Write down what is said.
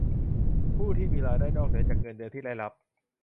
ผู้ที่มีรายได้นอกเหนือจากเงินเดือนที่ได้รับ